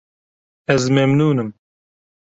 Ez memnûn im.